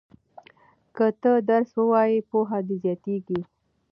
که ته درس ووایې پوهه دې زیاتیږي.